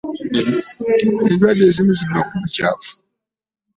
Endwadde ezimu ziva ku bukyaffu.